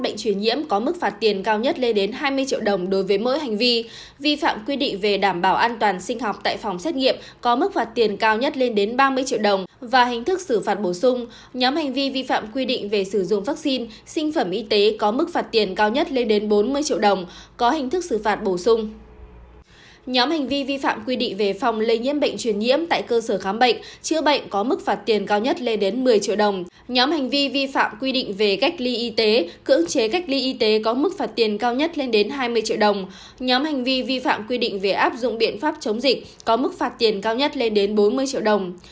nhóm hành vi vi phạm quy định về vệ sinh phòng bệnh truyền nhiễm có mức phạt tiền cao nhất lên đến hai mươi triệu đồng